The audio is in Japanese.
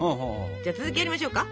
じゃあ続きやりましょうか。